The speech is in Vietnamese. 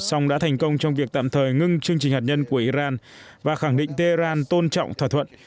song đã thành công trong việc tạm thời ngưng chương trình hạt nhân của iran và khẳng định tehran tôn trọng thỏa thuận